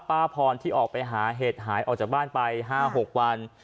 ป้าพรที่ออกไปหาเห็ดหายออกจากบ้านไป๕๖วัน